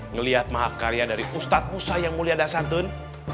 ngeliat mahakarya dari ustadz musa yang mulia dasantun